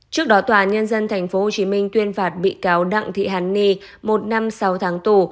trước đó tòa nhân dân tp hcm tuyên phạt bị cáo đặng thị hàn ni một năm sáu tháng tù